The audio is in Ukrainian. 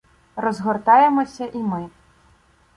Розгортаємося і ми.